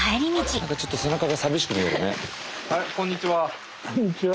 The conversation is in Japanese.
何かちょっと背中が寂しく見えるね。